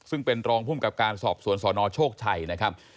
ซึ่งเป็นรองภูมิกับการสอบสวนสนโชคชัยนะครับ